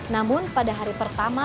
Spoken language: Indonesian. namun pada hari pertama